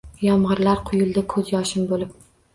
Yomg’irlar quyildi ko’z yoshim bo’lib